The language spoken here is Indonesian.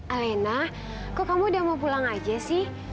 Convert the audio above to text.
alena kok kamu udah mau pulang aja sih